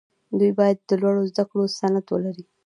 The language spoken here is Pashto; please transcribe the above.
دوی باید د لوړو زدکړو سند ولري.